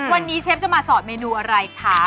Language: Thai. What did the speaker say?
วันนี้เชฟจะมาสอดเมนูอะไรคะ